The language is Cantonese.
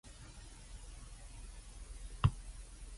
依個係媽媽嘅味道